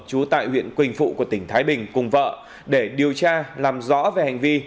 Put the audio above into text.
chú tại huyện quỳnh phụ của tỉnh thái bình cùng vợ để điều tra làm rõ về hành vi